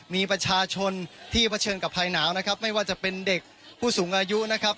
มีประชาชนที่เผชิญกับภายหนาวนะครับไม่ว่าจะเป็นเด็กผู้สูงอายุนะครับ